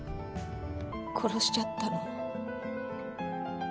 殺しちゃったの。